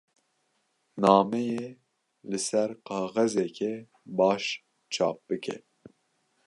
Nameyê li ser kaxezeke baş çap bike.